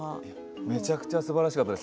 めちゃめちゃすばらしかったです